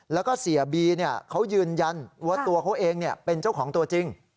แล้วก็เสียบีเขายืนยันว่าตัวเขาเองเป็นเจ้าของตัวจริง